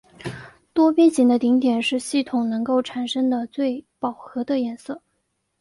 多边形的顶点是系统能够产生的最饱和的颜色。